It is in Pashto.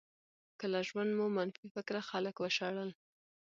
که له ژونده مو منفي فکره خلک وشړل.